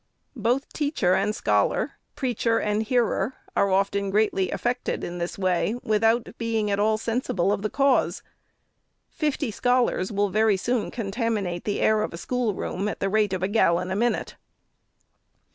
Both teacher and scholar, preacher and hearer, are often greatly affected in this way, without being at all sensible of the cause. Fifty scholars will very soon contaminate the air of a schoolroom at the rate of a gallon a minute.